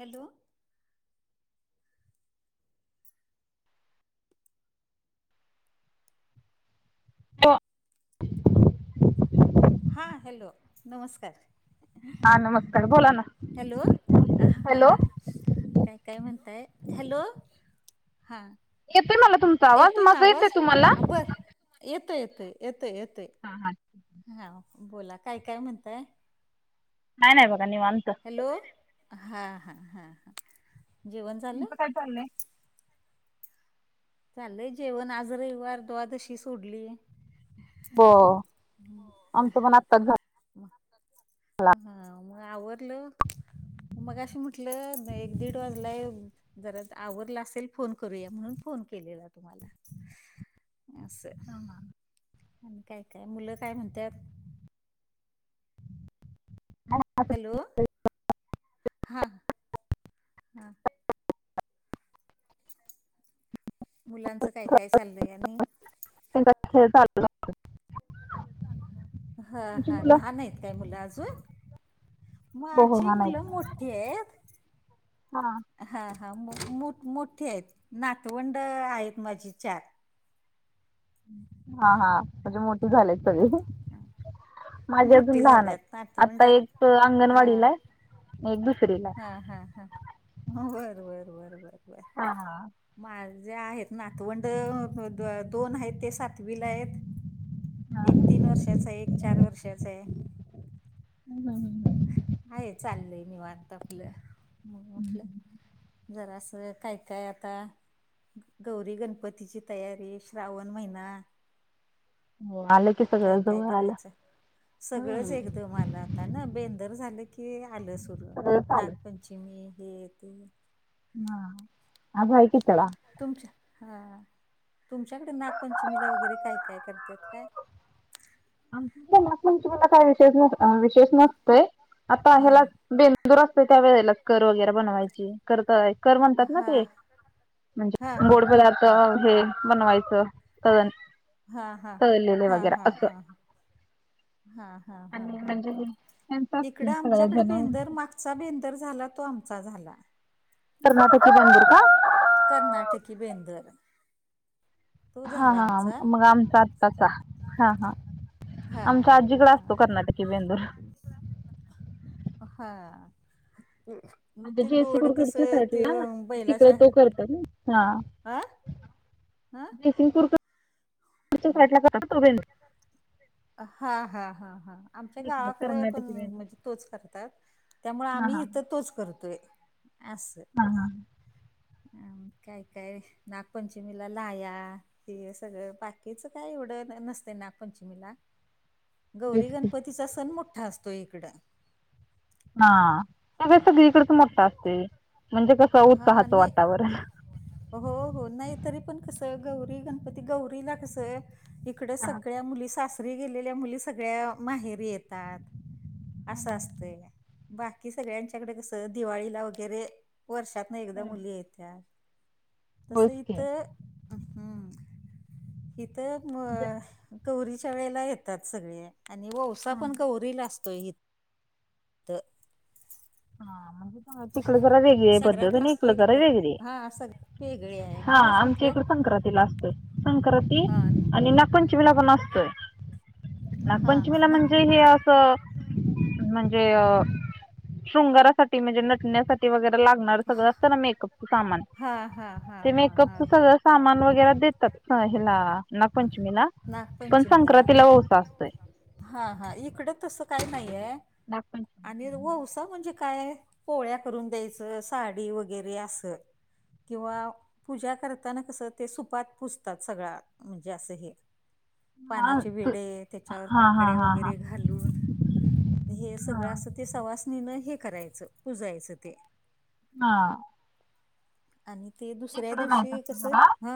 Hello. हो. हा hello नमस्कार. हा नमस्कार बोला ना. हॅलो हा हॅलो काय काय म्हणताय हॅलो. हा. येतोय मला तुमचा आवाज येतोय ना माझा येत आवाज आहे तुम्हाला. बर येतोय येतोय येतोय येतोय. हा हा. हा बोला काय काय म्हणताय. काय नाही बघा निवांत. हॅलो हा हा हा जेवण झालं. झाले चाललय जेवण आज रविवार दुवादशी सोडली. ब मग आमचं पण आत्ताच झालं. हा मग आवरलं. मगाशी म्हटलं एक-दीड वाजलाय जरा आवरला असेल फोन करूया म्हणून फोन केलेला तुम्हाला. असं आणि काय काय मुलं काय म्हणत्यात हॅलो हा हा. मुलांचा काय काय चाललंय आणि त्यांच खेळ चालूच असतय. हा तुमची हा मुलं लहान आहेत का मुलं अजून. हो हो माझी हा नाही मुलं मोठी आहेत. हा. हा हा मोठ मोठे आहेत नातवंड आहेत माझे चार. हा हा म्हणजे मोठे झाले सगळे. माझे अजून मोठी लहान झाल्यात आहेत आता नातवंडात एक हा अंगणवाडीला आहे. एक दुसरीला. हा आहे हा हा. बर बर बर बर बर. हा हा. माझे आहेत नातवंड दोन आहेत ते सातवीला आहेत. एक हा तीन वर्षाच आहे एक चार वर्षाच आहे. हम्मम्म. आहे चाललंय निवांत आपलं म्हटलं जरा असं काय काय आता गौरी गणपतीची तयारी श्रावण महिना [unintelligible] काय काय जवळ आलं करायचा सगळच हम्म एकदम आला. आता ना बेंदर झालं की आला सुरू सगळं चालू नागपंचमी हे ते हा आबा हाय की त्याला. तुमच्या हा तुमच्याकडे नागपंचमीला वगैरे काय काय करतात काय? आमचे इतना नागपंचमीला काय विशेष विशेष नसतय आत्ता हा ह्याला. [unintelligible] बेंदूर असते त्या वेळेला कर वगैरे बनवायची करताय कर म्हणतात ना हा ते हा म्हणजे हा गोड हा पदार्थ हा हे बनवायचं करं हा हा हा हा हा हा हा हा आणि हा म्हणजे हे हा त्यांच असते इकडे सगळ्या आमच्याकडे जण बेंदर म चा बेंदर झाला तो आमचा झाला. कर्नाटकची बेंदूर का? कर्नाटकी बेंदूर. हा हा मग आमचा आत्ताचा हा हा. हा आमच्या हा हा आजीकडे असतो हा हा कर्नाटकी बेंदूर. हा मग म्हणजे ते गोड कस जयसिंगपूरकडच्या ते साईडला तिकडे बैलाच्या तो करतात ना. हा हं हा सिंगपूरच्या साईड ला करतात का बेंदूर [unintelligible] हा हा हा हा. आमच्या इकडं गावाकडे पण कर्नाटकी म्हणजे बेंदूर तोच करतात त्यामुळे हा आम्ही हा इथं तोच करतोय. अस. हा हा अ काय काय नागपंचमीला लाह्या हे सगळं बाकीच काय एवढं नसतय नाग पंचमीला. होयच गौरी की. गणपतीचा सण मोठा असतो इकड. हा तोतर सगळी कडेच मोठा असतो म्हणजे कस हा नाही हो हो नाही तरी पण कस गौरी गणपती गौरीला कस इकड हा सगळ्या मुली सासरी गेलेल्या मुली सगळ्या माहेरी येतात. असं असतंय बाकी सगळ्यांच्याकडे कसं दिवाळीला वगैरे वर्षात न एकदा मुली येत्यात तसं होयच की. इथ हम् हिथ गौरीच्या वेळेला येतात सगळे आणि ओवसा हा पण गौ गौरी ला असतो इथ'' हा मग हा तिकडे जरा वेगळी आहे पद्धत संग्रहातील आणि इकड असतोय काय जरा काय? वेगळी हा सग वेगळी आहे हा म्हणूनच आमच्या म्हटलं इकड संक्रांत. ला असतोय संक्रांती हा आणि हम्म. नागपंचमीला पण असतोय. हा हा नागपंचमीला ना म्हणजे हे असं म्हणजे शृंगारासाठी म्हणजे नटण्यासाठी ते वगैरे लागणार सगळ असत ना मेकअपच सामान हा हा हा ते हा हा. मेकअपच सगळं अस सामान वगैरे देतात हेला नागपंचमीला पण नागपंचमीला हा संक्रांतीला ओवसा असतोय. हा हा इकडे तसं काय नाहीये नागपंचमी आणि वौसा म्हणजे काय आहे? पोळ्या करून द्यायचं साडी वगैरे असं किंवा पूजा करताना कसं ते सुपात पुजतात सगळा म्हणजे असं हे हा पानाचे तू वीडे त्याच्यावर हा हा काकड्या हा हा वगैरे घालून हे सगळं असं ते सवासणीनं हे करायचं पुजायचं ते हा. आणि ते दुसऱ्या इकडं नाही दिवशी तसं कस जरा हा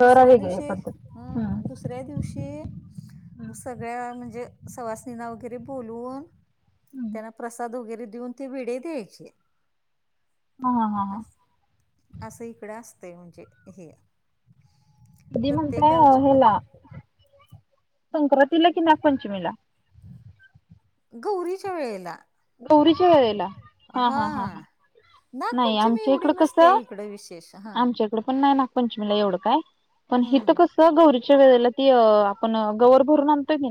जरा दुसऱ्या वेगळी आहे दिवशी पद्धत हा हम्म दुस दुसऱ्या दिवशी सगळ्या म्हणजे सवासनींना वगैरे बोलवून हम्म त्यांना प्रसाद वगैरे देऊन ते विडे दयायचे. हा. हा. असं इकड असतंय म्हणजे हे कधी प्रत्येक म्हणताय गावचे प ह्याला संक्रांतीला कि नागपंचमीला गौरीच्या वेळेला हा नाही नागपंचमी आमच्या एवढी नसते हा इकडे विशेष हा. इकड पण नाही नागपंचमीला एवढं काय. पण हित हम्म कसं गौरीच्या वेळेला ती आपण गौवर भरून आणतोय की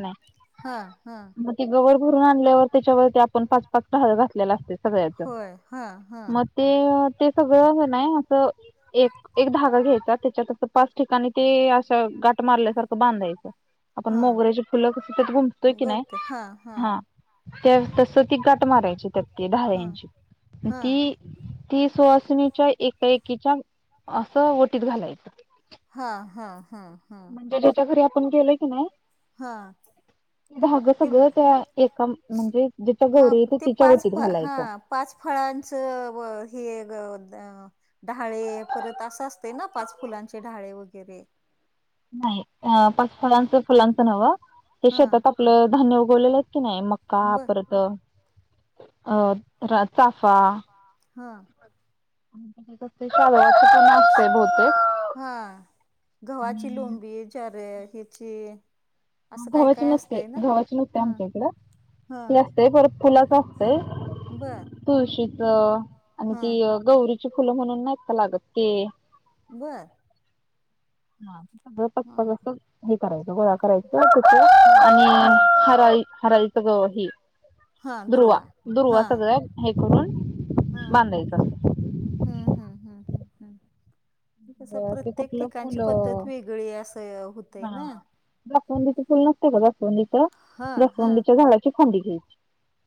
हां, हां. नाही ती गवरं भरून आणल्यावर त्याच्यावरती आपण पाच पाच डहाळ घातलेला असते सगळ्याचं. होय. हां. हां, मग ते ते सगळं हे नाही असं एक एक धागा घ्यायचा त्याच्यात असं पाच ठिकाणी ते अशा गाठ मारल्यासारखं बांधायचं. आपण हां. मोगऱ्याची फुलं कस त्यात गुमतोय की नाही गवते. हां, हां. हा. त्या तस ती गाठ मारायची त्या हां. डहाल्याची हां, ती ती सुवासणीच्या एका एकीच्या असं ओटीत घालायची. हा हा हा. म्हणजे ज्याच्या घरी आपण गेलो की नाही. हा. धागं सगळं त्या एका म्हणजे ज्याच्या गौरीे आहे तिच्या वटीत घालायचं. हा पाच फळांचं हे व हे ग डहाळे परत असं असते ना पाच फुलांचे डहाळे वगैरे. नाही पाच हां, फळांचं फुलांचं नव्हं ते हां. शेतात आपलं धान्य उगवलेलं आहे की नाही मग मका बरं. परत चाफा हा. सावल्याच पण असते बहुतेक आणि टोमबील विचार हिची गव्हाचि नसते गव्हाचि नसते हां, आमच्या इकडं. हां. नसतय परत फुलाच असतय. बरं. तुळशीचं आणि हा ती गौरीची फुलं म्हणून नाहीका लागत ते. बर हे पाच हा पाच असं हे गोळा करायच टी ते हा आणि हा हराळी हराळी ग हे दुर्वा दुर्वा हा सगळं हे करून बांधायचं. हंम हंम हंम हंम हंम. ते कसं ते प्रत्येक कुठलं ठिकाणची पद्धत फुलं वेगळी आहे असं होतय हा ना. जास्वंदीच फुल नसतय का हा हा जास्वंदीच्या झाडाची फांदी घ्यायची.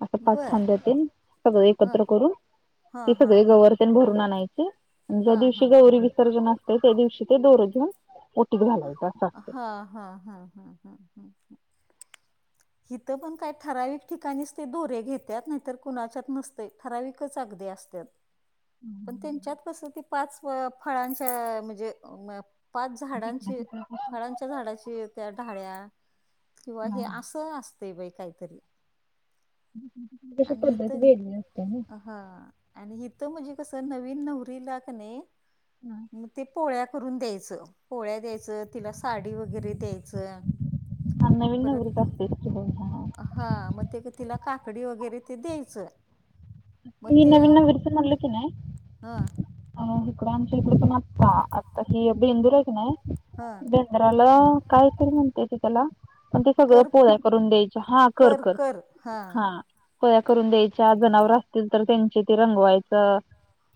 असं पाच बर फांद्या तीन सगळं हा एकत्र करून हा ते हा सगळं हा गवरतेंन भरून आणायची ज्या हा हा दिवशी गौरी विसर्जन असतय त्या दिवशी ते दोर घेऊन ओटीत घालायचं असं हा असतंय. हा हा हा हम्म हम्म ह. हिथं पण काय ठराविक ठिकाणीच ते दोरे घेत्यात नाहीतर कुणाच्यात नसतय ठराविकच अगदी अस त्यात. पण त्यांच्यात कस ते पाच फळांच्या म्हणजे पाच झाडांच्या फळांच्या झाडाची त्या ढाळ्या किंवा हे असं असतय बाई काहीतरी? [inaudible] आणि इथ अ हा आणि इथं म्हणजे कस नवीन नवरीला का नाही हम्म. मग ते पोळ्या करून द्यायचं, पोळ्या द्यायचं तिला साडी वगैरे द्यायचं. हां नवीन नवरीच परत असते की हो हो. हा मग ते तिला काकडी वगैरे ते द्यायचं. मग तुम्ही ते नवीन नवरीच म्हनल की नाय हा अ हीकड आमच्या हीकड पण आत्ता आता ही बेंदूर आहे की नाही हा. बेंद्राला कायतरी म्हणत्याती त्याला पण ते सगळं कर पोळ्या करून द्यायचं हा कर कर हा. पोळ्या करून द्यायच्या, जनावर असतील तर त्यांचे ते रंगवायच,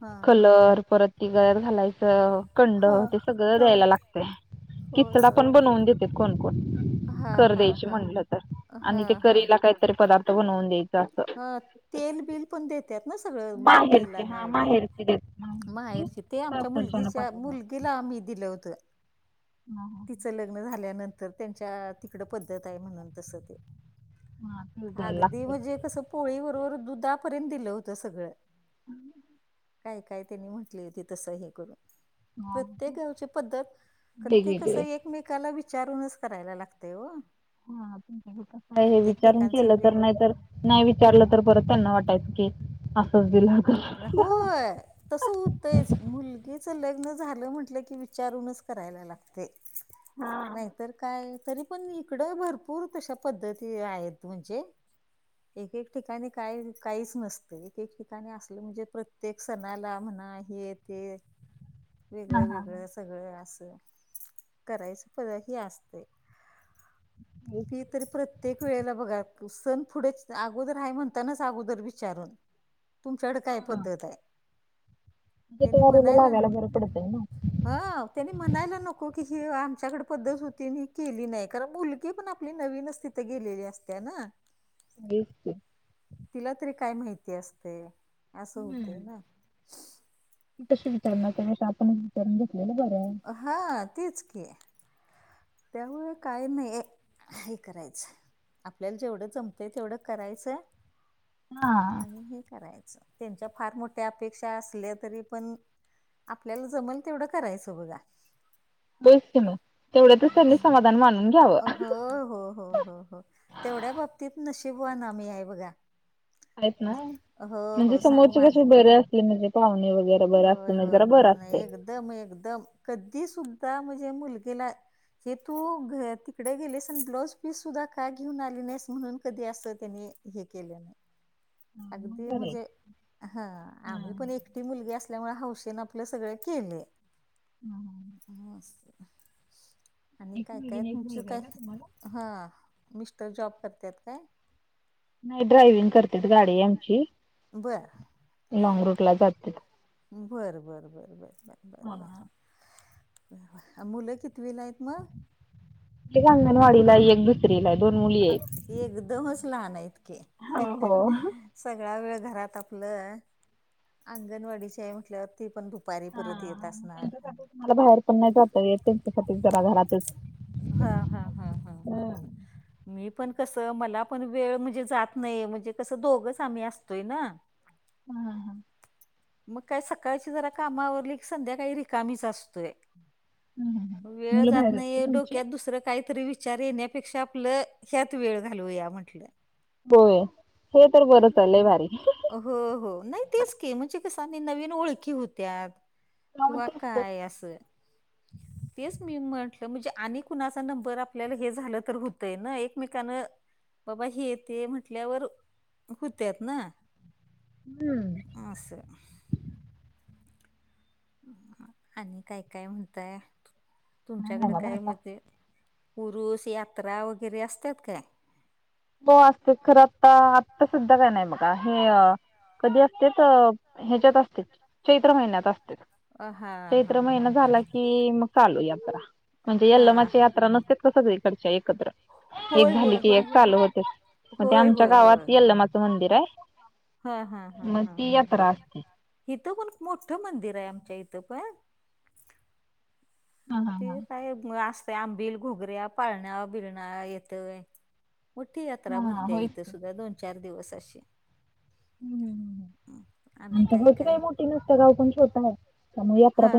हा कलर परत ती गळ्यात घालायचं कंड हा ते सगळं हा द्यायला लागतय, होय किचडा होय पण होय बनवून देत कोण कोण हा कर हा द्यायचे हा म्हणलं तर हा आणि ते हा करीला काहीतरी पदार्थ बनवून द्याय जात अ तेल बिल पण देतात ना सगळं बैलांना वगैरे? [unintelligible] माहेरची ते आमच्या सासरच्यानं मुलगीच्या पाठवलं मुलगीला आम्ही दिलं होत हा हा तिचं लग लग्न झाल्यानंतर त्यांच्या तिकड पद्धत आहे म्हणून तस ते. हा तेच द्यायला अगदी लागतंय म्हणजे कसं पोळी बरोबर दुधापर्यंत दिलं होत सगळं. [inaudible] काय काय त्यांनी म्हटलं होती तसं हे करून. हा प्रत्येक खूप गावची पद्धत खर ते कस वेगवेगळे एक एकमेकाला विचारूनच करायला लागतय ओ. हम काय हे विचारून ठिकाणचं केलं तर वेगळं नाहीतर नाही विचारलं तर परत त्यांना वाटायचं की असंच दिलं. तसं म्हणजे होय. तसं होतंयच मुलगीचं लग्न झालं म्हटलं की विचारूनच करायला लागतय. नाही तर काय तरी पण इकडं भरपूर तशा पद्धती आहेत म्हणजे एक एक ठिकाणी काय काहीच नसतय एक एक ठिका ठिकाणी असलं म्हणजे प्रत्येक सणाला म्हणा हे ते वेगळं वेगळंच सगळं असं करायचं पर हि असतय ती तर प्रत्येक वेळेला बघा सण फुढेच अगोदर आहे म्हणतानाच अगोदर विचारून तुमच्याकड काय पद्धत आहे? त्यांनी म्हणायला ना. फरक पडतोय ना. हा त्यांनी म्हणायला नको की हे आमच्याकडे पद्धत होती ही केली नाही कारण मुलगी पण आपल्या मी नवीनच तिथ गेलेली असत्या ना. बी प तिला तरी काय माहिती असते. असं होते ना हम्म कशी विचारणार आपणच घेतलेलं बरं आहे. हा तीच की, त्यामुळे काय नाही हे करायचं. आपल्याला जेवढं जमतय तेवढं करायचं हा आणि हे करायचं. त्यांच्या फार मोठ्या अपेक्षा असल्या तरी पण आपल्याला जमल तेवढं करायचं बघा. तेच की मग तेवढ्या तर त्यानी समाधान मानून घ्यावं. हो हो हो हो हो तेवढ्या बाबतीत नशिबवान आम्ही आहे बघा. आहेत ना हो म्हणजे हो समोरचे सामान कसे बरे असले म्हणजे पाहुणे वगैरे. बर होय असते होय जरा बर होय नाही असते. एकदम एकदम कधी सुद्धा म्हणजे मुलगीला हे तू तिकडे गेलेस आणि ब्लाऊज पीस सुद्धा का घेऊन आली नाहीस म्हणून कधी असं त्याने. हे केले नाही. हा मग अगदी बरं आहे म्हणजे हा हा आम्ही हा, पण एकटी मुलगी असल्यामुळे हौसेन आपलं सगळ केले. ह [unintelligible] मस्त. आणि एक काय मुलगी काय आणि एक तुमचं मुलगा काय आहे का तुम्हाला हा मिस्टर जॉब करतात काय? नाही ड्रायविंग करत्यात गाडी आहे आमची. बरं. लॉन्ग रूटला जातेत. बर बर बरं बर बर बर बर. मुलं कितविला आहेत मग? एक अंगणवाडीला एक दुसरी ला दोन मुली अ आहेत. एकदमच लहान आहेत की. सगळा वेळ घरात आपलं अंगणवाडीचे आहे म्हटल्या वर. ते पण दुपारी परत येत असणार. मला बाहेर पण नाही जाता येत त्यांच्यासाठी जरा घरात हा हा हा हा हा हा मी पण कसं मला पण वेळ म्हणजे जात नाही म्हणजे कसं दोघच आम्ही असतोय ना. हम ह. मग काही सकाळची जरा कामावरली की संध्याकाळी रिकामीच असतोय. वेळ मुलं जात बाहेर आहेत का नाही तुमची? डोक्यात दुसर काहीतरी विच विचार येण्यापेक्षा आपलं ह्यात वेळ घालवूया म्हंटलं. होय हे तर बरंच लय भारी. हो हो नाही तेच के म्हणजे कस आणि नवीन ओळखी होत्यात. हम्म किंवा काय असं. तेच मी म्हटलं म्हणजे आणि कुणाचा नंबर आपल्याला हे झालं तर होतंय ना एकमेकानं बाबा हे ते म्हटल्यावर होत्यात ना. हम्म आससं. आणि काय काय म्हणताय? तुमच्याकडे नाही बघा काय आता. म्हते- उरुस यात्रा वगैरे असतात काय? हो असतात खरं आता आता सध्या नाही बघा हे आणि- कधी असतेत असं.. ह्याच्यात असते‌. चैत्र महिन्यात असते, हा हा चैत्र हा महिना झाला की मग चालू यात्रा. म्हणजे हा यल्लमाची यात्रा नसते सगळीकडच्या एकत्र एक होय झाली होय की होय एक होय चालू हो. ते होय आमच्या होय होय गावात यल्लमाचं मंदिर आहे. हा हा हा म हा ती हा यात्रा असते. इथं पण मोठं मंदिर आहे आम्हच्या इथं पण. हा मग हा ते हा काय असते आंबिल, घुगऱ्या, पाळण्या बिळणा येतंय. मोठी यात्रा हा भरत्या होयच इथं की सुुद्धा दोन चार दिवस अशी. ह हं, आणि काय आमच्याकडे काय एतकी मोठी नसत्या, गाव पण छोट आहे त्यामुळे यात्रा पण- हा